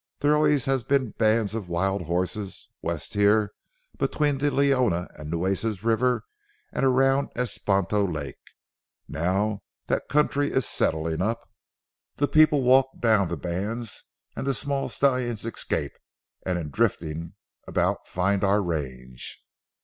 There always have been bands of wild horses, west here between the Leona and Nueces rivers and around Espontos Lake. Now that country is settling up, the people walk down the bands and the stallions escape, and in drifting about find our range.